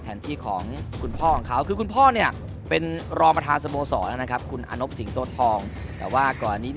แถนที่ของคุณพ่อของเขา